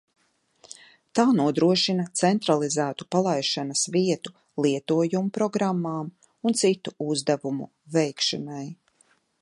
Tā nodrošina centralizētu palaišanas vietu lietojumprogrammām un citu uzdevumu veikšanai.